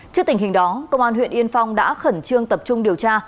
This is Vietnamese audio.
trước tình hình đó công an huyện yên phong đã khẩn trương tập trung điều tra